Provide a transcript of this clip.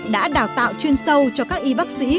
đã đào tạo chuyên sâu cho các y bác sĩ